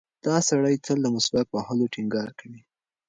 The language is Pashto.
دا سړی تل د مسواک په وهلو ټینګار کوي.